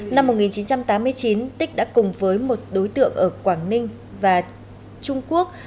năm một nghìn chín trăm tám mươi chín tích đã cùng với một đối tượng ở quảng ninh và trung quốc